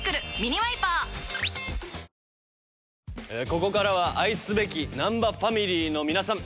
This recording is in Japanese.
ここからは愛すべき難破ファミリーの皆さん。